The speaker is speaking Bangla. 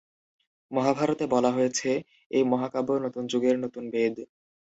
মহাভারতে বলা হয়েছে, এই মহাকাব্য নতুন যুগের নতুন বেদ।